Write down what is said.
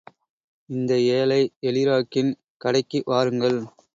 இந்த ஏழை எலிராக்கின் கடைக்கு வாருங்கள்.